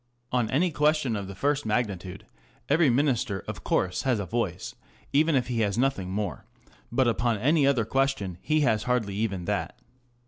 On any question of the first magnitude every Minister of course has a voice, even if he has nothing more ; but upon any other question he has hardly even that.